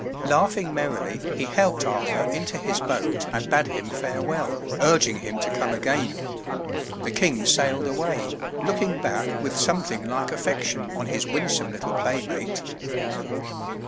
Laughing merrily, he helped Arthur into his boat and bade him farewell, urging him to come again. The King sailed away, looking back with something like affection on his winsome little playmate.